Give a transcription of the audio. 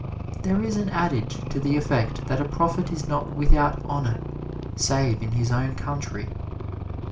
There is an adage to the effect that a prophet is not without honor save in his own country.